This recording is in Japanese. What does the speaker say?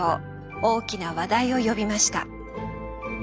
大きな話題を呼びました。